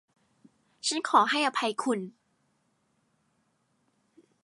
ฉันขอให้อภัยคุณ !